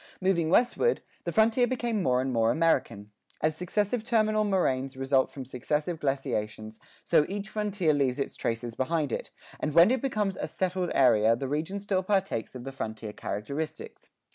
Moving westward, the frontier became more and more American. As successive terminal moraines result from successive glaciations, so each frontier leaves its traces behind it, and when it becomes a settled area the region still partakes of the frontier characteristics.